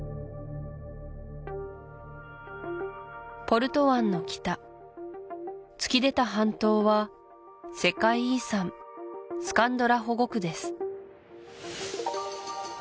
ポルト湾の北突き出た半島は世界遺産スカンドラ保護区です